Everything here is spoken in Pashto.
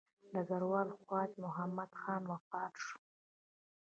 ډګروال خواجه محمد خان وفات شوی.